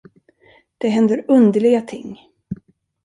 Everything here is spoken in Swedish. Det händer underliga ting.